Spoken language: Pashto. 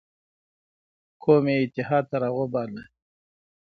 قوم یې اتحاد ته راوباله